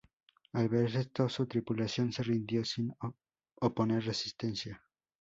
Al ver esto su tripulación se rindió sin oponer resistencia.